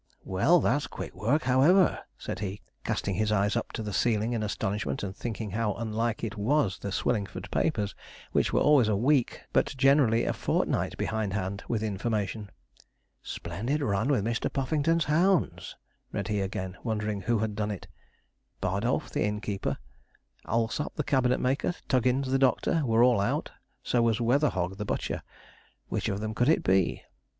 'Well, that's quick work, however,' said he, casting his eyes up to the ceiling in astonishment, and thinking how unlike it was the Swillingford papers, which were always a week, but generally a fortnight behindhand with information. 'Splendid run with Mr. Puffington's hounds,' read he again, wondering who had done it: Bardolph, the innkeeper; Allsop, the cabinet maker; Tuggins, the doctor, were all out; so was Weatherhog, the butcher. Which of them could it be?